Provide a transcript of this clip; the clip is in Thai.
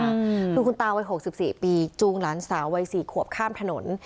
คุณคุณตาวัย๖๔ปีจูงหลานสาววัย๔ขวบข้ามถนน